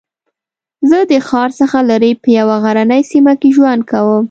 زه د ښار څخه لرې په یوه غرنۍ سېمه کې ژوند کوم